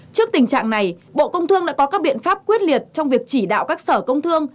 trước tình trạng này bộ công thương đã có các biện pháp quyết liệt trong việc chỉ đạo các sở công thương